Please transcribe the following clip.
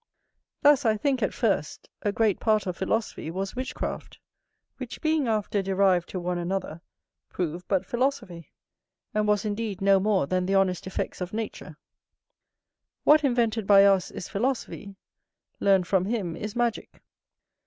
Thus, I think, at first, a great part of philosophy was witchcraft; which, being afterward derived to one another, proved but philosophy, and was indeed no more than the honest effects of nature: what invented by us, is philosophy; learned from him, is magick.